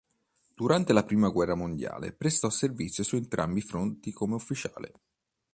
Durante la Prima guerra mondiale prestò servizio su entrambi i fronti come ufficiale.